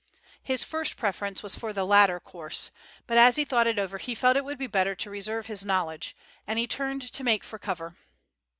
His first preference was for the latter course, but as he thought it over he felt it would be better to reserve his knowledge, and he turned to make for cover.